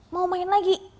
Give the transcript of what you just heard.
mau main lagi